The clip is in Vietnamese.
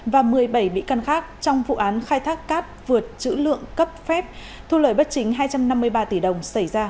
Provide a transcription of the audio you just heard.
và một mươi bảy bị căn khác trong vụ án khai thác cát vượt chữ lượng cấp phép thu lời bất chính hai trăm năm mươi ba tỷ đồng xảy ra